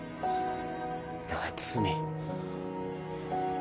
夏美。